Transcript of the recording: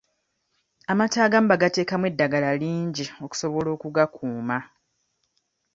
Amata agamu bagateekamu eddagala lingi okusobola okugakuuma.